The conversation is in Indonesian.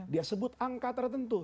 dia sebut angka tertentu